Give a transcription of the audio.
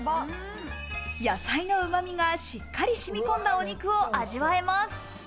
野菜のうまみがしっかり染み込んだお肉を味わいます。